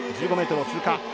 １５ｍを通過。